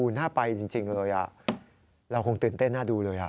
น่าไปจริงเลยเราคงตื่นเต้นน่าดูเลย